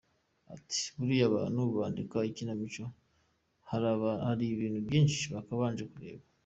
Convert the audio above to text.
Ati “Buriya abantu bandika ikinamico, hari ibintu byinshi bakabanje kureba.